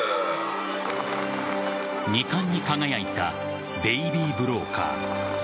２冠に輝いた「ベイビー・ブローカー」